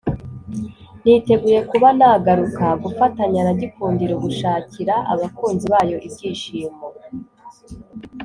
niteguye kuba nagaruka gufatanya na Gikundiro gushakira abakunzi bayo ibyishimo